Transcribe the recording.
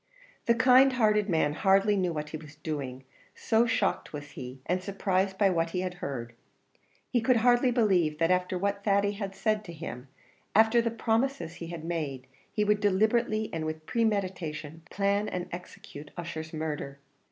The kind hearted man hardly knew what he was doing, so shocked was he, and surprised by what he had heard. He could hardly believe that after what Thady had said to him, after the promises he had made, he would deliberately, and with premeditation, plan and execute Ussher's murder.